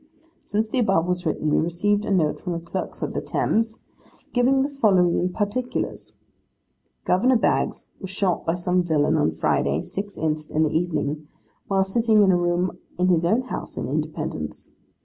'Since the above was written, we received a note from the clerk of the Thames, giving the following particulars. Gov. Baggs was shot by some villain on Friday, 6th inst., in the evening, while sitting in a room in his own house in Independence.